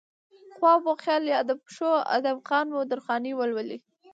خواب وخيال يا د پښتو ادم خان و درخانۍ ولولئ